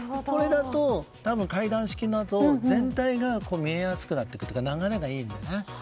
多分、階段式だと全体が見えやすくなってくるというか流れがいいのでね。